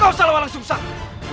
kau salah wang sung sang